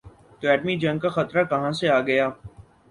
تو ایٹمی جنگ کا خطرہ کہاں سے آ گیا؟